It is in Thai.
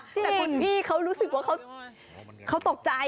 แต่คุณพี่เขารู้สึกว่าเขาตกใจ